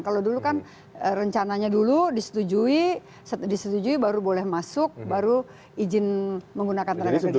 kalau dulu kan rencananya dulu disetujui disetujui baru boleh masuk baru izin menggunakan tenaga kerja